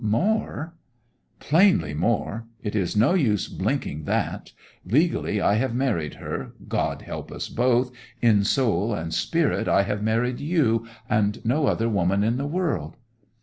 'More?' 'Plainly more. It is no use blinking that. Legally I have married her—God help us both!—in soul and spirit I have married you, and no other woman in the world!